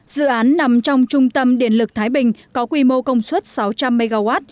dự án nằm trong trung tâm điện lực thái bình có quy mô công suất sáu trăm linh mw